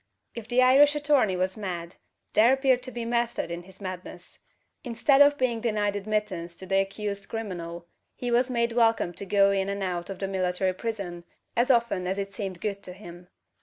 If the Irish attorney was mad, there appeared to be method in his madness. Instead of being denied admittance to the accused criminal, he was made welcome to go in and out of the military prison as often as it seemed good to him.